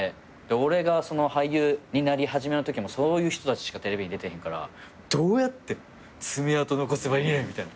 俺が俳優になり始めのときもそういう人たちしかテレビに出てへんからどうやって爪痕残せばいいねんみたいな。